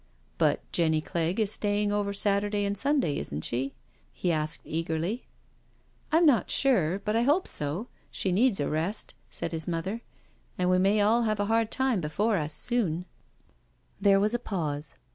" But Jenny Clegg is staying over Saturday and Sunday, isn't she," he asked eagerly. " I am not sure, but I hope so — she needs a rest," said his mother, " and we may all have a hard time before us soon." 15^ No SURRENDER There was a pause.